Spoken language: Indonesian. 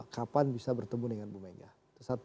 kapan bisa bertemu dengan bu mega